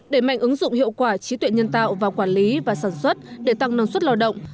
để mạnh ứng dụng hiệu quả trí tuệ nhân tạo vào quản lý và sản xuất để tăng năng suất lao động